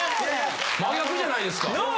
真逆じゃないですか。なあ！